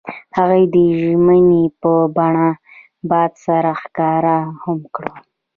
هغوی د ژمنې په بڼه باد سره ښکاره هم کړه.